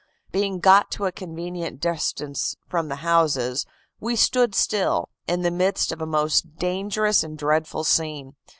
"Being got to a convenient distance from the houses, we stood still, in the midst of a most dangerous and dreadful scene.